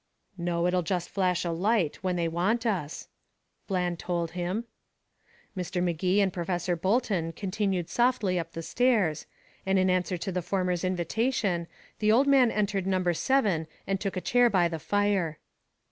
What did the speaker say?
"No it'll just flash a light, when they want us," Bland told him. Mr. Magee and Professor Bolton continued softly up the stairs, and in answer to the former's invitation, the old man entered number seven and took a chair by the fire.